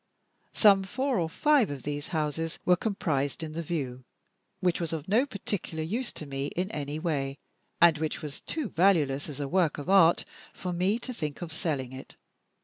Some four or five of these houses were comprised in the view, which was of no particular use to me in any way; and which was too valueless, as a work of art, for me to think of selling it.